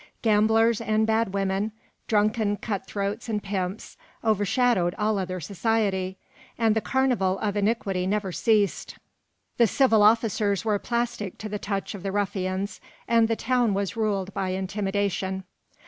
Gamblers and bad women, drunken cut throats and pimps, overshadowed all other society, and the carnival of iniquity never ceased. The civil officers were plastic to the touch of the ruffians, and the town was ruled by intimidation.